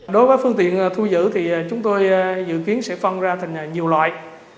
đối với phương tiện thu giữ thì chúng tôi dự kiến sẽ phân ra thành nhiều loại